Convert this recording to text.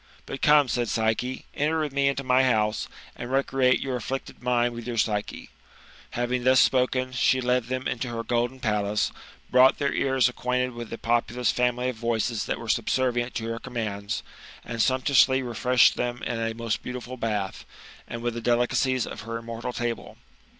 " But come," said Psyche, enter with me into my house, and recreate your afflicted mind with your Psyche/' Hmn^ thus spoken, she GOLDBN ASS, OF APULBIUS. — BOOK V. 75 led them into her golden palace, brought their ears acquainted with the populous family of voices that were subservient to her commands, and sumptuously refreshed them in a most beauti ful bath, and with the delicacies of her immortal tal^.